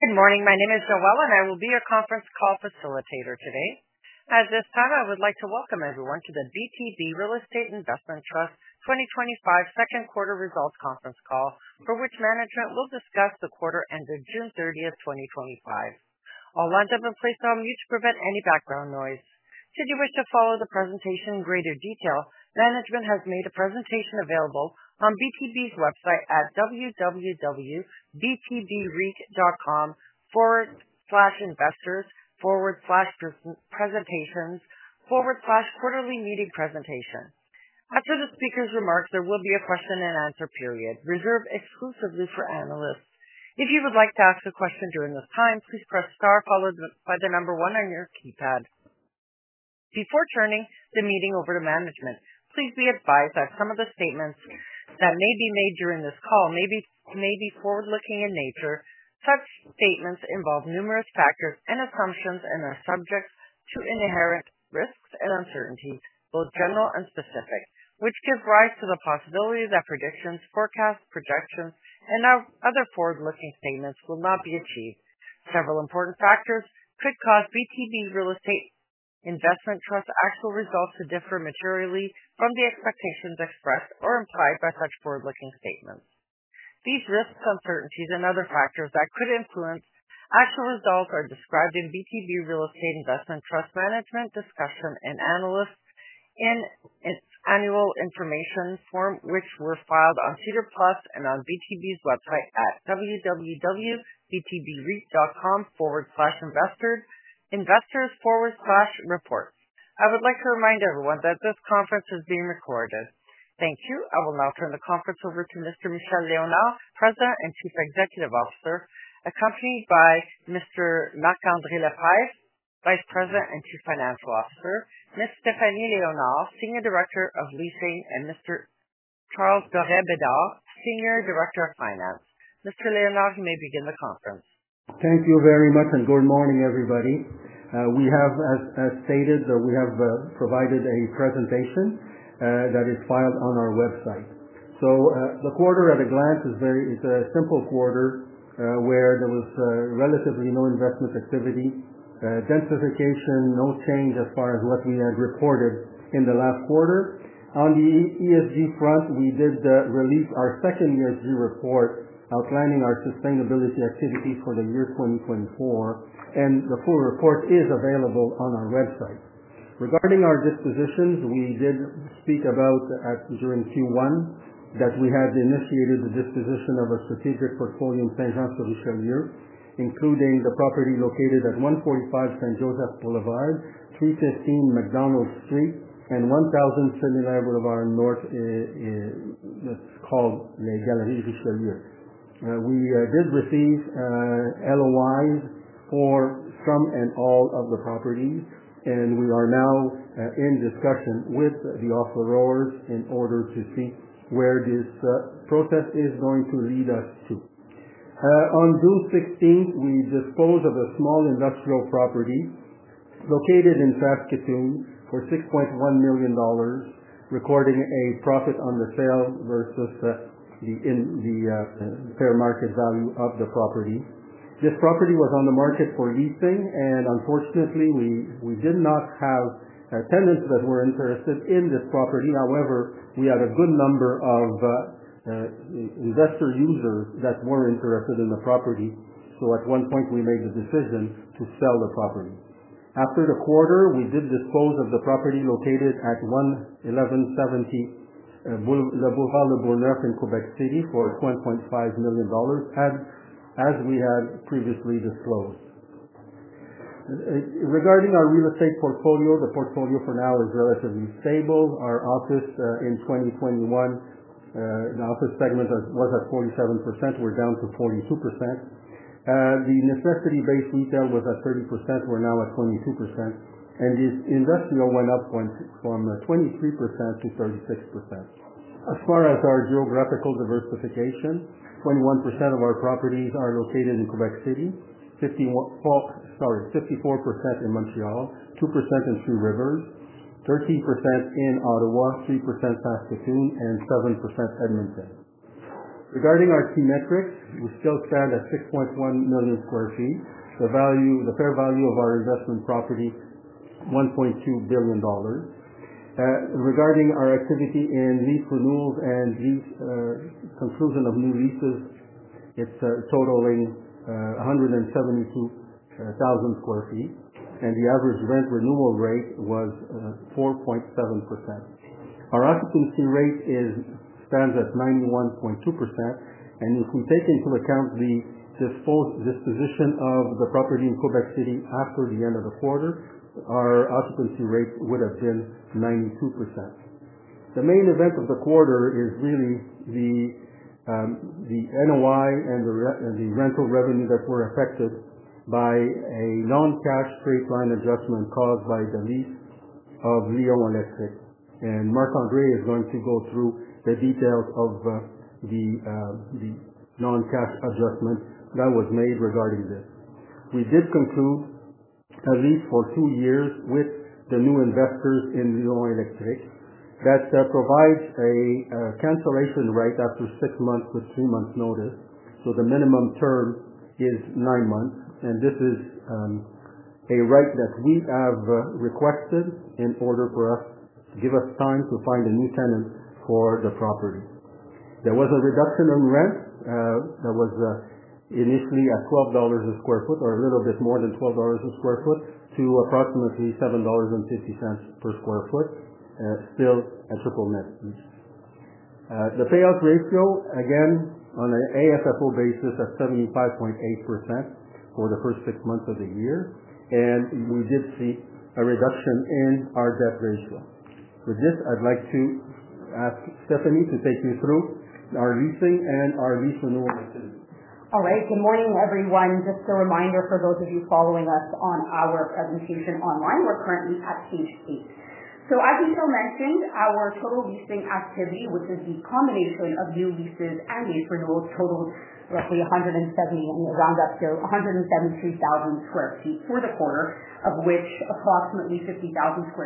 Good morning. My name is Noelle, and I will be your conference call facilitator today. At this time, I would like to welcome everyone to the BTB Real Estate Investment Trust 2025 Second Quarter Results Conference Call, for which management will discuss the quarter ended June 30, 2025. All lines are in place on mute to prevent any background noise. Should you wish to follow the presentation in greater detail, management has made a presentation available on BTB's website at www.btbreit.com/investors/presentations/quarterlymeetingpresentation. After the speaker's remarks, there will be a question and answer period reserved exclusively for analysts. If you would like to ask a question during this time, please press star followed by the number one on your keypad. Before turning the meeting over to management, please be advised that some of the statements that may be made during this call may be forward-looking in nature. Such statements involve numerous factors and assumptions and are subject to inherent risks and uncertainties, both general and specific, which give rise to the possibility that predictions, forecasts, projections, and other forward-looking statements will not be achieved. Several important factors could cause BTB Real Estate Investment Trust's actual results to differ materially from the expectations expressed or implied by such forward-looking statements. These risks, uncertainties, and other factors that could influence actual results are described in BTB Real Estate Investment Trust management discussion and analysis and in the annual information form, which were filed on SEDAR+ and on BTB's website at www.btbreit.com/investors/reports. I would like to remind everyone that this conference is being recorded. Thank you. I will now turn the conference over to Mr. Michel Léonard, President and Chief Executive Officer, accompanied by Mr. Marc-Andre Lefebvre, Vice President and Chief Financial Officer, Ms. Stephanie Léonard, Senior Director of Leasing, and Mr. Charles Dorais Bédard, Senior Director of Finance. Mr. Léonard, you may begin the conference. Thank you very much, and good morning, everybody. We have, as stated, provided a presentation that is filed on our website. The quarter at a glance is very, it's a simple quarter where there was relatively no investment activity, densification, no change as far as what we had reported in the last quarter. On the ESG front, we did release our second ESG report outlining our sustainability activities for the year 2024, and the full report is available on our website. Regarding our dispositions, we did speak about during Q1 that we had initiated the disposition of a strategic portfolio in Saint-Jean-sur-Richelieu, including the property located at 145 Saint-Joseph Boulevard, 315 McDonald Street, and 1000 Cheminée Boulevard North, it's called Galerie Richelieu. We did receive LOI for some and all of the properties, and we are now in discussion with the offers in order to see where this process is going to lead us to. On June 16th, we disposed of a small industrial property located in Saskatoon for $6.1 million, recording a profit on the sale versus the fair market value of the property. This property was on the market for leasing, and unfortunately, we did not have tenants that were interested in this property. However, we had a good number of investor users that were interested in the property. At one point, we made the decision to sell the property. After the quarter, we did dispose of the property located at 1170 Le Bourgneuf in Quebec City for $1.5 million, as we had previously disclosed. Regarding our real estate portfolio, the portfolio for now is relatively stable. Our office in 2021, the office segment was at 47%. We're down to 42%. The necessity-based retail was at 30%. We're now at 22%. Industrial went up from 23%-36%. As far as our geographical diversification, 21% of our properties are located in Quebec City, 54% in Montreal, 2% in Sorel-Tracy, 13% in Ottawa, 3% Saskatoon, and 7% Hamilton. Regarding our key metrics, we still stand at 6.1 million sq. ft. The fair value of our investment property is $1.2 billion. Regarding our activity in lease renewals and conclusion of new leases, it's totaling 172,000 sq. ft., and the average rent renewal rate was 4.7%. Our occupancy rate stands at 91.2%, and if we take into account the disposition of the property in Quebec City after the end of the quarter, our occupancy rate would have been 92%. The main event of the quarter is really the NOI and the rental revenue that were affected by a non-cash straight-line adjustment caused by the lease of Léon Lefebvre. Marc-Andre is going to go through the details of the non-cash adjustment that was made regarding this. We did conclude a lease for two years with the new investors in Léon Lefebvre. That provides a cancellation rate after six months with three months' notice. The minimum term is nine months, and this is a rate that we have requested in order for us to give us time to find a new tenant for the property. There was a reduction in rent that was initially at $12 per square foot or a little bit more than $12 per square foot to approximately $7.50 per square foot, still a triple net. The payout ratio, again, on an AFFO basis of 75.8% for the first six months of the year, and we did see a reduction in our debt ratio. With this, I'd like to ask Stephanie to take me through our leasing and our lease renewal activity. All right. Good morning, everyone. Just a reminder for those of you following us on our presentation online, we're currently at page eight. As Michel Léonard mentioned, our total leasing activity, which is the combination of new leases and lease renewals, totaled roughly 170, round up to 173,000 sq. ft. for the quarter, of which approximately 50,000 sq.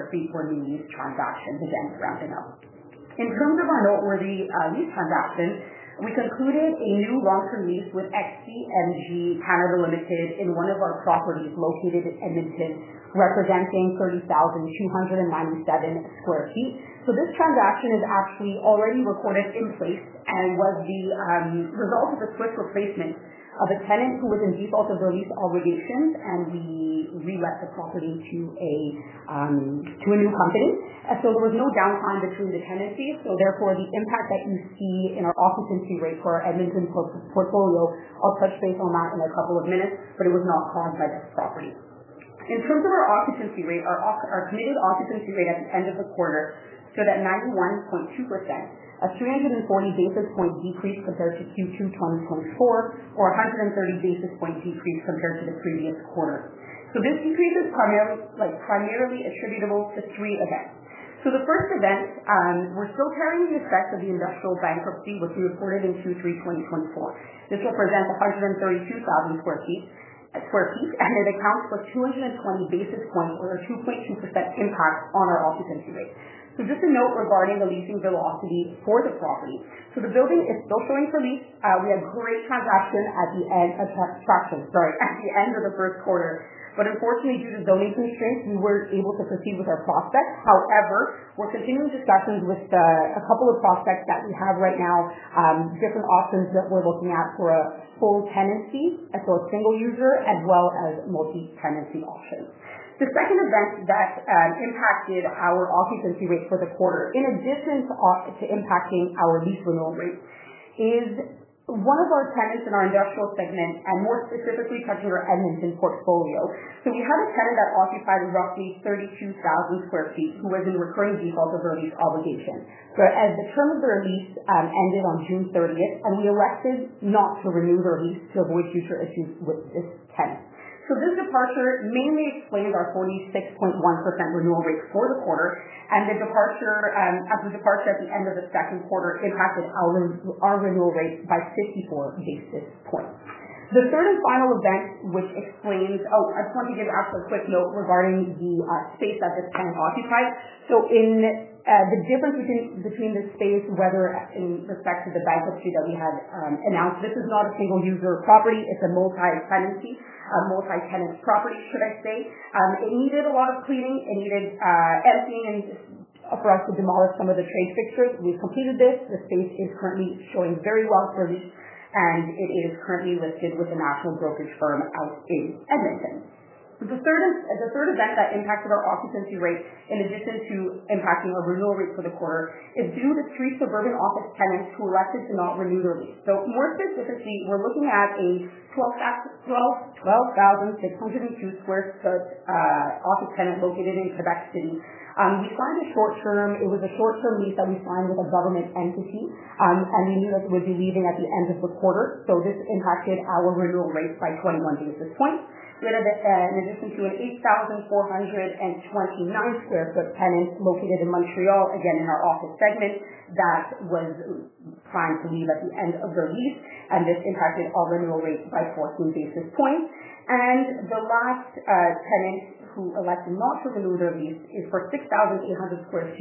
ft. were new transactions. Again, wrapping up. In terms of our noteworthy lease transaction, we concluded a new long-term lease with XCMG Canada Limited in one of our properties located in Hamilton, representing 30,297 sq. ft. This transaction is actually already recorded in place and was the result of the switch replacement of a tenant who was in default of the lease obligations and we relet the property to a new company. There was no downtime between the tenancies. Therefore, the impact that you see in our occupancy rate for our Hamilton portfolio, I'll touch base on that in a couple of minutes, but it was not planned by the second. In terms of our occupancy rate, our committed occupancy rate at the end of the quarter showed at 91.2%, a 340 basis point decrease compared to Q2 2024, or 130 basis point decrease compared to the previous quarter. This decrease is primarily attributable to three events. The first event, we're still carrying the effects of the industrial bankruptcy which was reported in Q3 2024. This represents 132,000 sq. ft., and it accounts for 220 basis points, or a 2.2% impact on our occupancy rate. Just a note regarding the leasing velocity for the property. The building is still selling for lease. We had a great transaction at the end of the end of the first quarter. Unfortunately, due to zoning constraints, we weren't able to proceed with our prospects. However, we're continuing discussions with a couple of prospects that we have right now, different options that we're looking at for a full tenancy, and a single user, as well as multi-tenancy options. The second event that impacted our occupancy rates for the quarter, in addition to impacting our lease renewal rate, is one of our tenants in our industrial segment, and more specifically touching our Hamilton portfolio. We had a tenant that occupied roughly 32,000 sq. ft. who was in recurring default of a lease obligation. The term of their lease ended on June 30th, and we elected not to renew their lease to avoid future issues with this tenant. This departure mainly explained our 46.1% renewal rate for the quarter, and the departure at the end of the second quarter impacted our renewal rate by 64 basis points. The third and final event, which explains, I just want to give an actual quick note regarding the space that this tenant occupied. In the difference between this space, whether in respect to the bankruptcy that we have announced, this is not a single user property. It's a multi-tenant property, should I say. It needed a lot of cleaning. It needed emptying and upper-asset demolish some of the transfixtures. We've completed this. The space is currently selling very well for lease, and it is currently listed with the national brokerage firm out in Hamilton. The third event that impacted our occupancy rate, in addition to impacting our renewal rate for the quarter, is due to three office tenants who elected to not renew their lease. More specifically, we're looking at a 12,600 square foot office tenant located in Quebec City. We signed a short-term, it was a short-term lease that we signed with a government entity, and we knew that it would be leaving at the end of the quarter. This impacted our renewal rate by 21 basis points. In addition to an 8,429 square foot tenant located in Montreal, again in our office segment, that was trying to leave at the end of the lease, and this impacted our renewal rate by 14 basis points. The last tenant who elected not to renew their lease is for 6,800 sq. ft.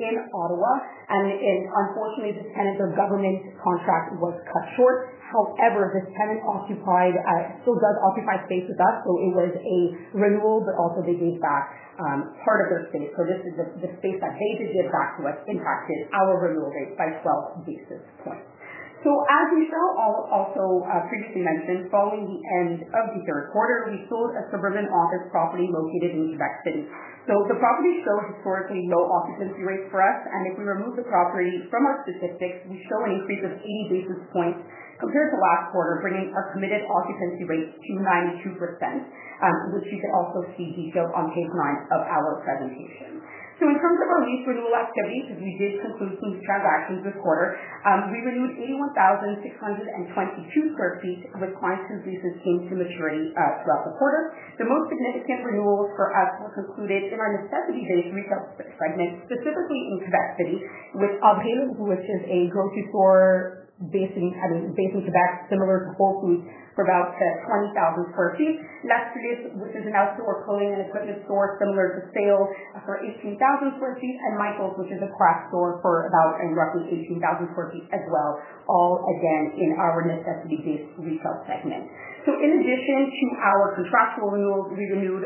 in Ottawa. Unfortunately, the tenant's government contract was cut short. However, this tenant still does occupy space with us. It was a renewal, but also they gave back part of their space. This is the space that they did give back to us, impacted our renewal rate by 12 basis points. As Michel also previously mentioned, following the end of the third quarter, we sold a suburban office property located in Quebec City. The property shows historically low occupancy rates for us. If we remove the property from our statistics, we show an increase of 80 basis points compared to last quarter, bringing a committed occupancy rate to 92%, which we could also see detailed on page nine of our presentation. In terms of our lease renewal activity, this concludes the transactions this quarter. We renewed 81,622 sq. ft., requesting leases soon to maturity throughout the quarter. The most significant renewals for us were concluded in our necessity-based retail segment, specifically in Quebec City, with Obhalen, which is a grocery store based in Quebec, similar to Whole Foods, for about 20,000 sq. ft., La Filière, which is an outdoor clothing and equipment store, similar to sales, for 18,000 sq. ft., and Michaels, which is a craft store for about roughly 18,000 sq. ft. as well, all again in our necessity-based retail segment. In addition to our contractual renewals, we renewed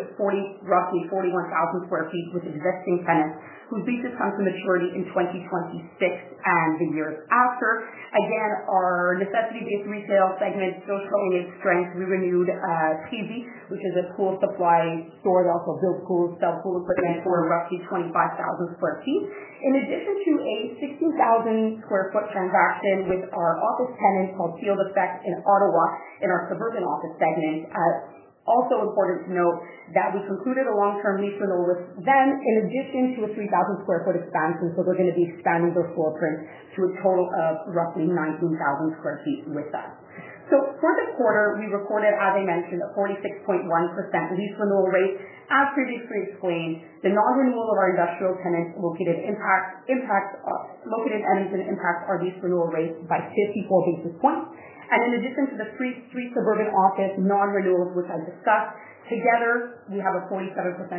roughly 41,000 sq. ft. with existing tenants who lease upon the maturity in 2026 and the year after. Our necessity-based retail segment, those who own it, strength, we renewed Tazy, which is a pool supply store, and also a build pool, sell pool equipment for roughly 25,000 sq. ft. In addition to a 16,000 square foot transaction with our office tenant called Field Effect in Ottawa in our suburban office segment, also important to note that we concluded a long-term lease renewal with them in addition to a 3,000 square foot expansion. They are going to be expanding their floor plan to a total of roughly 19,000 sq. ft. with us. For the quarter, we recorded, as I mentioned, a 46.1% lease renewal rate. As previously explained, the non-renewal of our industrial tenants located in Hamilton impacts our lease renewal rate by 54 basis points. In addition to the three suburban office non-renewals, which I discussed, together, we have a 47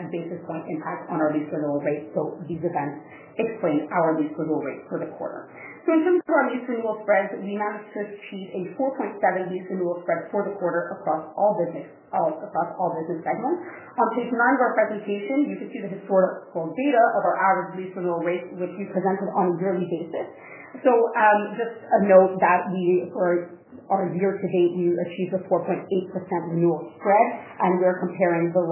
basis point impact on our lease renewal rate. These events explain our lease renewal rate for the quarter. In terms of our lease renewal spreads, we managed to see a 4.7% lease renewal spread for the quarter across all business segments. On page nine of our presentation, you can see the historical data of our average lease renewal rate that we presented on a yearly basis. Just a note that we are year to date, we achieved a 4.8% renewal spread, and we are comparing the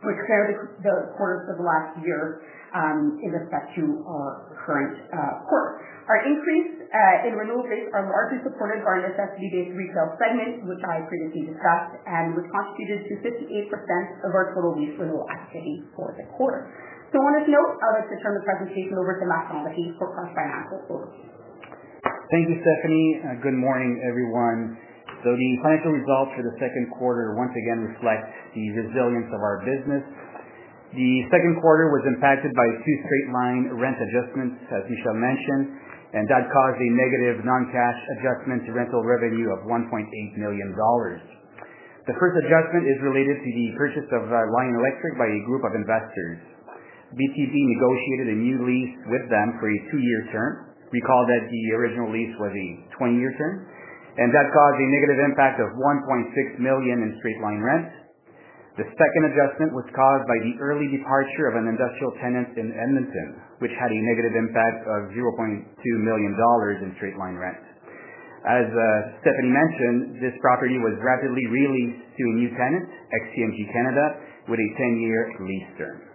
quarters of the last year in respect to our current quarter. Our increase in renewal rates are largely supported by our necessity-based retail segment, which I previously discussed, and was constituted to 58% of our total lease renewal activity for the quarter. On this note, I would like to turn the presentation over to Matthew and the case for cross-financial overview. Thank you, Stephanie. Good morning, everyone. The financial results for the second quarter once again reflect the resilience of our business. The second quarter was impacted by two straight-line rent adjustments, as Michel Léonard mentioned, and that caused a negative non-cash adjustment to rental revenue of $1.8 million. The first adjustment is related to the purchase of Lion Electric by a group of investors. BTB Real Estate Investment Trust negotiated a new lease with them for a two-year term. Recall that the original lease was a 20-year term, and that caused a negative impact of $1.6 million in straight-line rent. The second adjustment was caused by the early departure of an industrial tenant in Hamilton, which had a negative impact of $0.2 million in straight-line rent. As Stephanie Léonard mentioned, this property was rapidly relinquished to new tenants, XCMG Canada, with a 10-year lease term.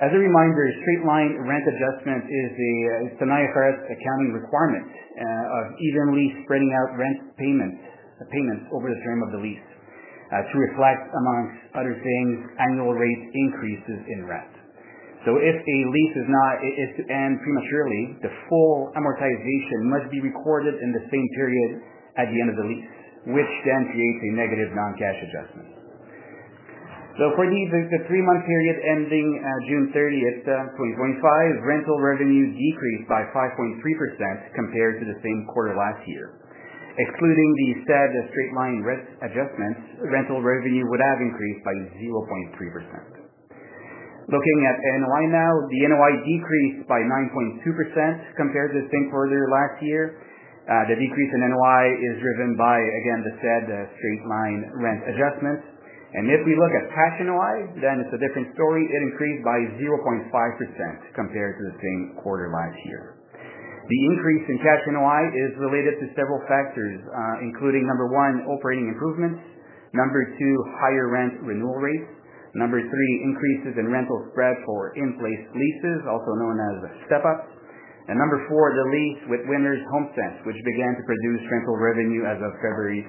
As a reminder, a straight-line rent adjustment is a, it's an IFRS accounting requirement of evenly spreading out rent payments over the term of the lease to reflect, amongst other things, annual rate increases in rent. If a lease is to end prematurely, the full amortization must be recorded in the same period at the end of the lease, which then creates a negative non-cash adjustment. For the three-month period ending June 30, 2025, rental revenue decreased by 5.3% compared to the same quarter last year. Excluding the said straight-line rent adjustments, rental revenue would have increased by 0.3%. Looking at NOI now, the NOI decreased by 9.2% compared to the same quarter last year. The decrease in NOI is driven by, again, the said straight-line rent adjustment. If we look at cash NOI, then it's a different story. It increased by 0.5% compared to the same quarter last year. The increase in cash NOI is related to several factors, including number one, operating improvement, number two, higher rent renewal rates, number three, increases in rental spread for in-place leases, also known as step-ups, and number four, the lease with Winners Homesense, which began to produce rental revenue as of February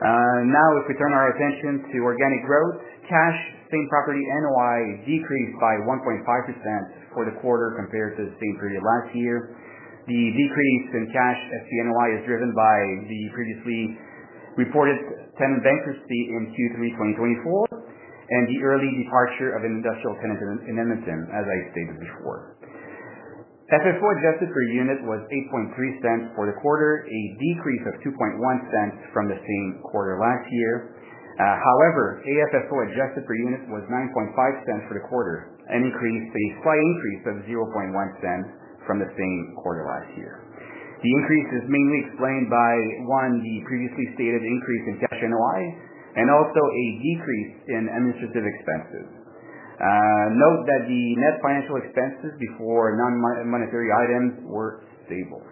25. If we turn our attention to organic growth, cash same property NOI decreased by 1.5% for the quarter compared to the same period last year. The decrease in cash NOI is driven by the previously reported tenant bankruptcy in Q3 2024 and the early departure of an industrial tenant in Hamilton, as I stated before. FFO adjusted per unit was 8.3% for the quarter, a decrease of 2.1% from the same quarter last year. However, AFFO adjusted per unit was 9.5% for the quarter, a slight increase of 0.1% from the same quarter last year. The increase is mainly explained by, one, the previously stated increase in cash NOI and also a decrease in administrative expenses. Note that the net financial expenses before non-monetary items were stable.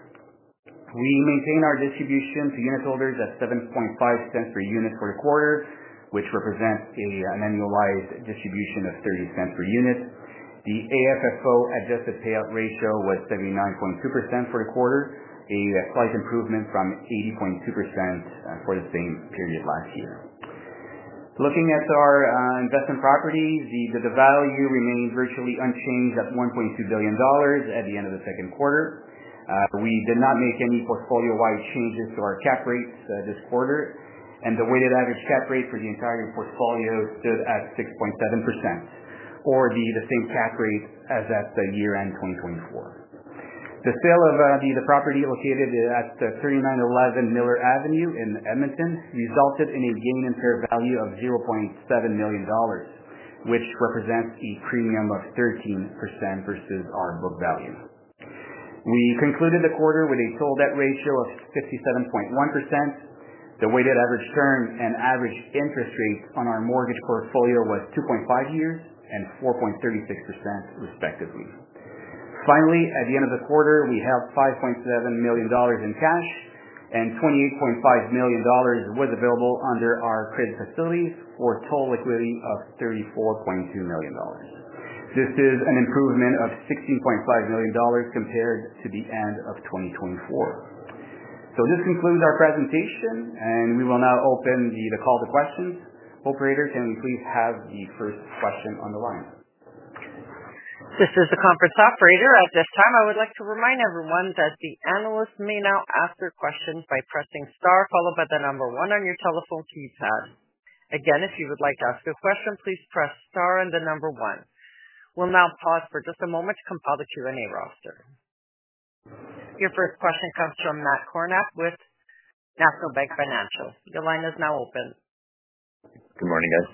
We maintain our distribution to unitholders at $0.075 per unit for the quarter, which represents an annualized distribution of $0.30 per unit. The AFFO adjusted payout ratio was 79.2% for the quarter, a slight improvement from 80.2% for the same period last year. Looking at our investment properties, the value remained virtually unchanged at $1.2 billion at the end of the second quarter. We did not make any portfolio-wide changes to our cap rates this quarter, and the weighted average cap rate for the entire portfolio stood at 6.7%, or the same cap rate as at the year-end 2024. The sale of the property located at 3911 Miller Avenue in Hamilton resulted in a gain in fair value of $0.7 million, which represents a premium of 13% versus our book value. We concluded the quarter with a total debt ratio of 57.1%. The weighted average term and average interest rate on our mortgage portfolio was 2.5 years and 4.36%, respectively. Finally, at the end of the quarter, we held $5.7 million in cash, and $28.5 million was available under our credit facilities for a total equity of $34.2 million. This is an improvement of $16.5 million compared to the end of 2024. This concludes our presentation, and we will now open the call to questions. Operator, can you please have the first question on the line? This is the conference operator. At this time, I would like to remind everyone that the analysts may now ask your questions by pressing star followed by the number one on your telephone keypad. Again, if you would like to ask your question, please press star and the number one. We'll now pause for just a moment to compile the Q&A roster. Your first question comes from Matt Kornack with National Bank Financial. Your line is now open. Good morning, guys.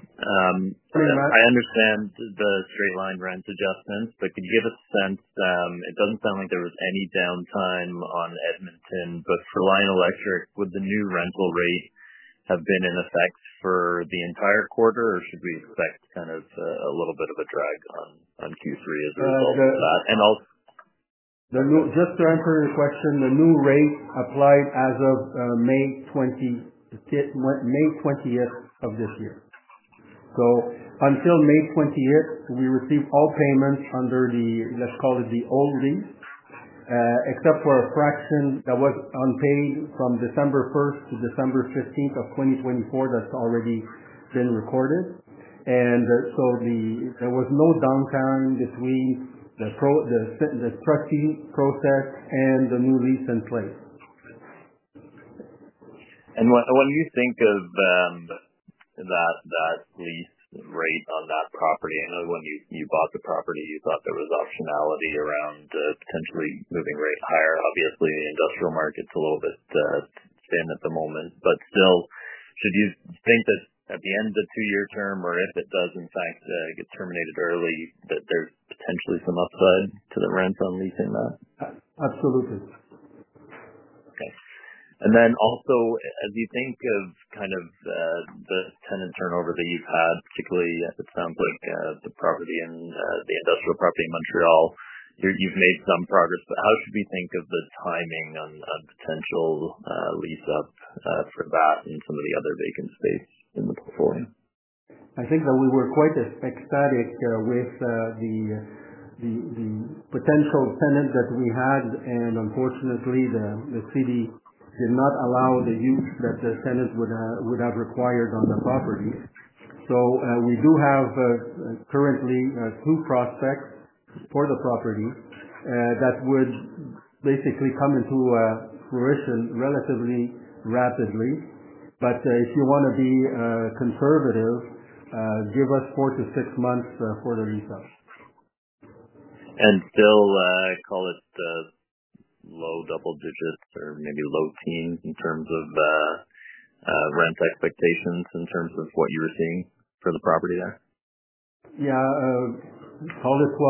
I understand the straight-line rent adjustments, but could you give a sense? It doesn't sound like there was any downtime on Hamilton, but for Lion Electric, would the new rental rate have been in effect for the entire quarter, or should we expect kind of a little bit of a drag on Q3 as a result of that? The new rate applied as of May 20th of this year. Until May 20th, we received all payments under the, let's call it the old lease, except for a fraction that was unpaid from December 1st to December 15th of 2024 that's already been recorded. There was no downtime between the strict process and the new lease in place. What do you think of that lease rate on that property? I know when you bought the property, you thought there was optionality around potentially moving rate higher. Obviously, the industrial market's a little bit spinning at the moment. Still, should you think that at the end of the two-year term, or if it does, in fact, get terminated early, that there's potentially some upside to the rent on leasing that? Absolutely. Okay. As you think of kind of the tenant turnover that you've had, particularly it sounds like the industrial property in Montreal, you've made some progress. How should we think of the timing on potential lease up for that and some of the other vacant space in looking forward? I think that we were quite ecstatic with the potential tenant that we had, and unfortunately, the city did not allow the use that the tenants would have required on the property. We do have currently two prospects for the property that would basically come into fruition relatively rapidly. If you want to be conservative, give us four to six months for the lease up. I call it the low double digits or maybe low teens in terms of rent expectations, in terms of what you were seeing for the property there? Yeah, call it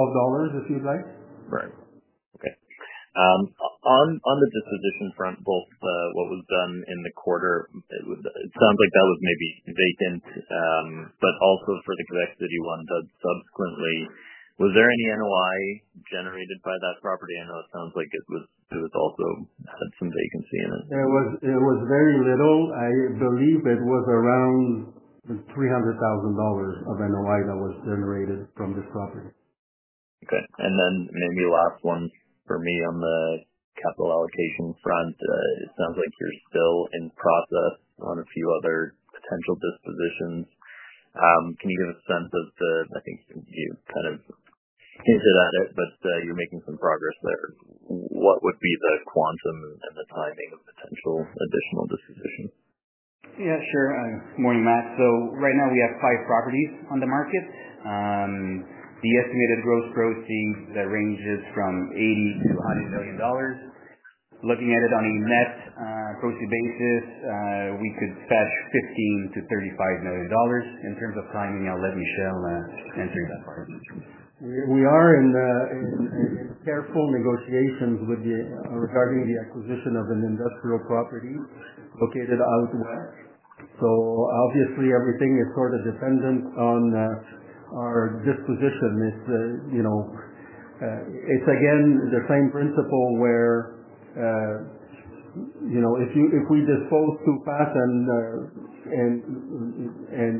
$12 if you'd like. Right. Okay. On the disposition front, both what was done in the quarter, it sounds like that was maybe vacant, but also for the Quebec City one, but subsequently, was there any NOI generated by that property? I know it sounds like it also had some vacancy in it. It was very little. I believe it was around $300,000 of NOI that was generated from this property. Okay. On the capital allocation front, it sounds like you're still in process on a few other potential dispositions. Can you give a sense of the, I think you kind of hinted at it, but you're making some progress there. What would be the quantum and the timing of potential additional dispositions? Yeah, sure. Morning, Matt. Right now, we have five properties on the market. The estimated gross proceeds range from $80 million-$100 million. Looking at it on a net proceeds basis, we could stretch $15 million-$35 million. In terms of timing, I'll let Michel enter that part of it. We are in careful negotiations regarding the acquisition of an industrial property located out west. Obviously, everything is sort of dependent on our disposition. It's again the same principle where if we dispose too fast and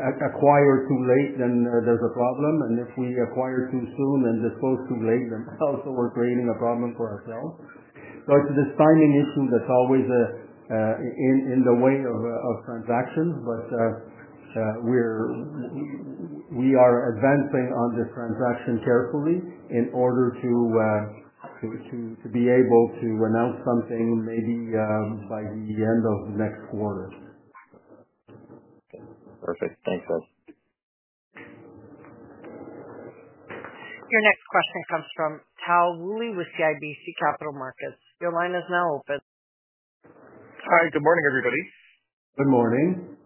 acquire too late, then there's a problem. If we acquire too soon and dispose too late, then also we're creating a problem for ourselves. This timing issue is always in the way of transactions, but we are advancing on this transaction carefully in order to be able to announce something maybe by the end of next quarter. Perfect. Thanks, Rob. Your next question comes from Tal Woolley with CIBC Capital Markets. Your line is now open. Hi. Good morning, everybody. Good morning.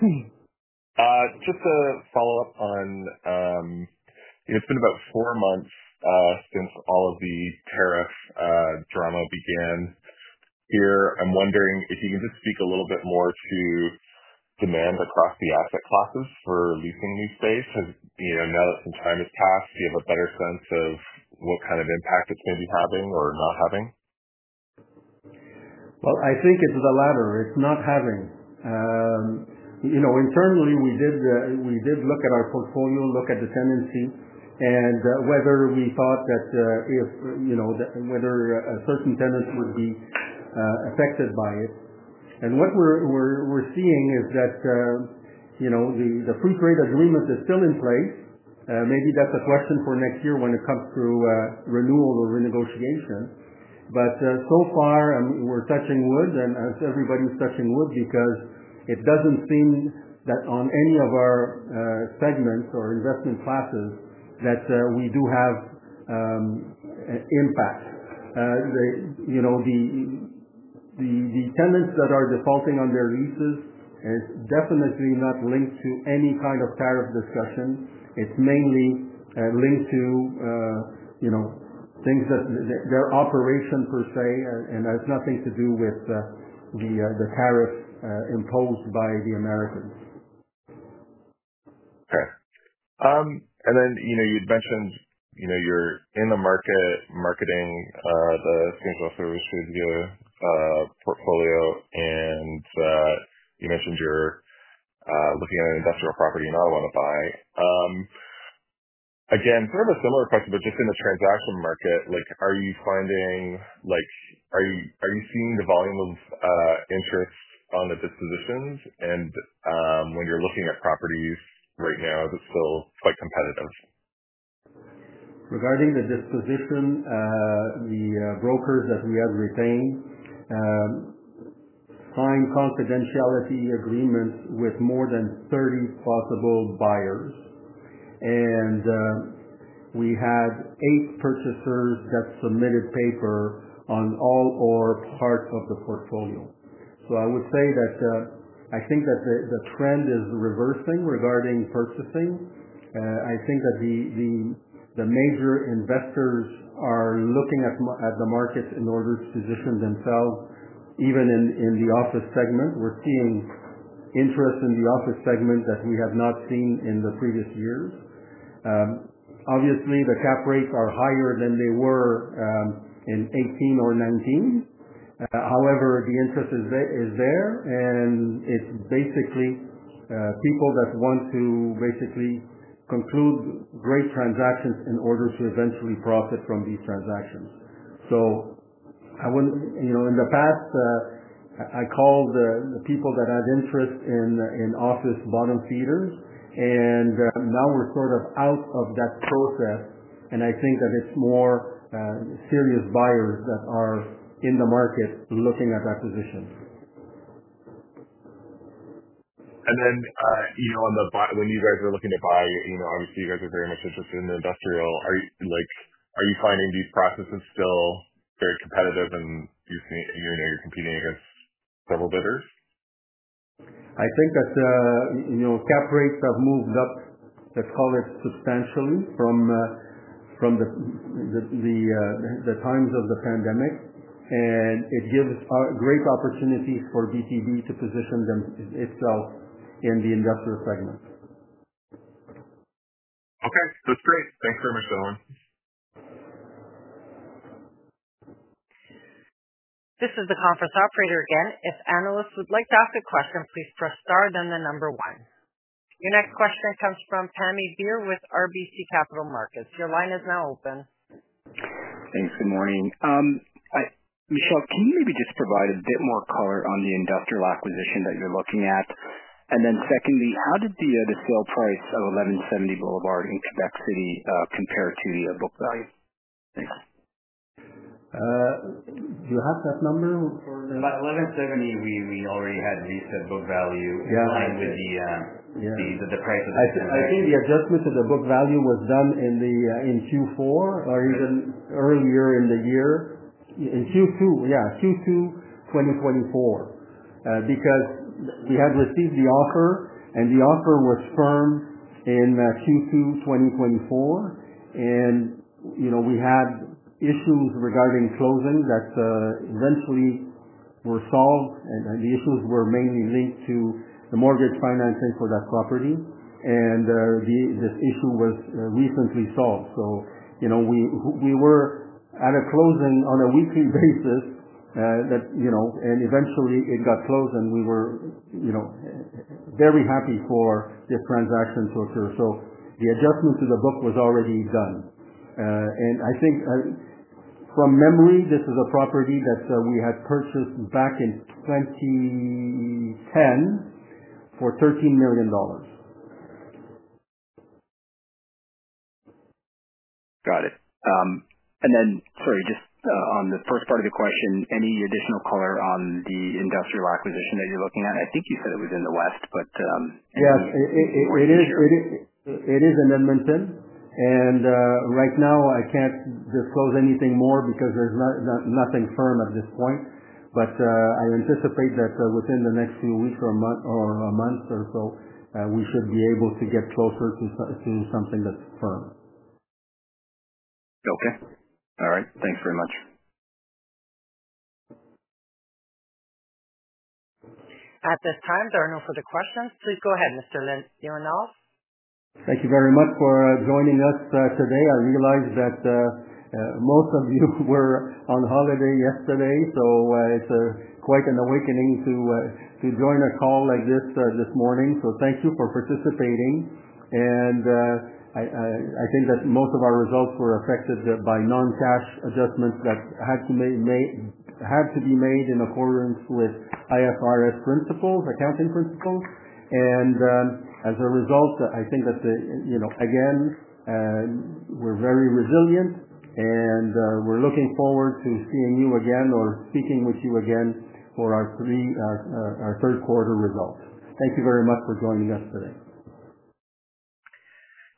It's just a follow-up on, you know, it's been about four months since all of the tariff drama began here. I'm wondering if you can just speak a little bit more to demand across the asset classes for leasing these days. Has, you know, now that some time has passed, do you have a better sense of what kind of impact it's maybe having or not having? I think it's the latter. Internally, we did look at our portfolio, look at the tenancy, and whether we thought that if, you know, whether a certain tenant would be affected by it. What we're seeing is that the pre-trade agreement is still in place. Maybe that's a question for next year when it comes to renewal or renegotiation. So far, we're touching wood, as everybody's touching wood, because it doesn't seem that on any of our segments or investment classes that we do have an impact. The tenants that are defaulting on their leases is definitely not linked to any kind of tariff discussion. It's mainly linked to things that their operation per se, and it has nothing to do with the tariffs imposed by the Americans. Okay. You'd mentioned you're in the market marketing the single-service leisure portfolio, and that you mentioned you're looking at an industrial property you now want to buy. Again, sort of a similar question, just in the transaction market, are you finding, like are you seeing the volume of interest on the dispositions? When you're looking at properties right now, is it still quite competitive? Regarding the disposition, the brokers that we have retained signed confidentiality agreements with more than 30 possible buyers. We had eight purchasers that submitted paper on all or parts of the portfolio. I would say that I think that the trend is reversing regarding purchasing. I think that the major investors are looking at the markets in order to position themselves, even in the office segment. We're seeing interest in the office segment that we have not seen in the previous years. Obviously, the cap rates are higher than they were in 2018 or 2019. However, the interest is there, and it's basically people that want to basically conclude great transactions in order to eventually profit from these transactions. I wouldn't, you know, in the past, I called the people that had interest in office bottom feeders, and now we're sort of out of that process. I think that it's more serious buyers that are in the market looking at that position. When you guys are looking to buy, obviously, you guys are very interested in the industrial. Are you finding these processes still very competitive and you're competing against several bidders? I think that, you know, cap rates have moved up, let's call it substantially, from the times of the pandemic, and it gives great opportunities for BTB Real Estate Investment Trust to position themselves in the industrial segment. Okay. That's great. Thanks very much. This is the conference operator again. If analysts would like to ask a question, please press star, then the number one. Your next question comes from Pammi Bir with RBC Capital Markets. Your line is now open. Thanks. Good morning. Michel, can you maybe just provide a bit more color on the industrial acquisition that you're looking at? Secondly, how did the disposal price of 1170 Boulevard in Quebec City compare to the book value? Do you have that number? About 1170, we already had the set book value. Yeah. Aligned with the prices. I think the adjustment to the book value was done in Q4 or even earlier in the year. In Q2, yeah, Q2 2024, because we had received the offer, and the offer was firmed in Q2 2024. We had issues regarding closing that eventually were solved, and the issues were mainly linked to the mortgage financing for that property. This issue was recently solved. We were at a closing on a weekly basis, and eventually, it got closed, and we were very happy for the transaction for sure. The adjustment to the book was already done. I think, from memory, this is a property that we had purchased back in 2010 for $13 million. Got it. Sorry, just on the first part of the question, any additional color on the industrial acquisition that you're looking at? I think you said it was in the west, but, It is in Hamilton. Right now, I can't disclose anything more because there's nothing firm at this point. I anticipate that, within the next few weeks or a month or so, we should be able to get closer to seeing something that's firm. Okay. All right. Thanks very much. At this time, there are no further questions. Please go ahead, Mr. Léonard. Thank you very much for joining us today. I realize that most of you were on holiday yesterday. It's quite an awakening to join a call like this this morning. Thank you for participating. I think that most of our results were affected by non-cash adjustments that had to be made in accordance with IFRS accounting principles. As a result, I think that we're very resilient, and we're looking forward to seeing you again or speaking with you again for our third quarter results. Thank you very much for joining us today.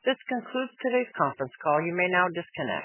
This concludes today's conference call. You may now disconnect.